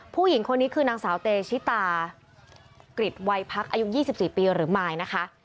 ผู้หญิงคนนี้คือนางสาวเตชิตากริจวัยพักอายุ๒๔ปีหรือมายนะคะ